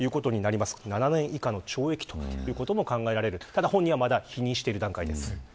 ただ、本人はまだ否認している段階です。